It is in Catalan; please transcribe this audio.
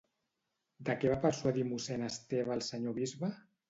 De què va persuadir mossèn Esteve al senyor bisbe?